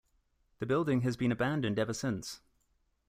The building has been abandoned ever since.